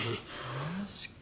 マジか。